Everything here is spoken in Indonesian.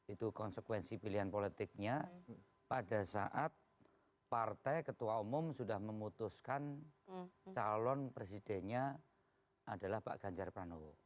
itu konsekuensi pilihan politiknya pada saat partai ketua umum sudah memutuskan calon presidennya adalah pak ganjar pranowo